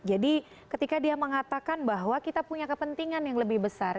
jadi ketika dia mengatakan bahwa kita punya kepentingan yang lebih besar